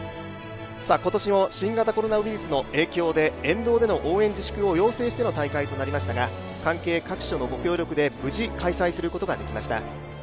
今年も新型コロナウイルスの影響で沿道での応援自粛をお願いしての開催となりましたが、関係各所のご協力で無事、開催することができました。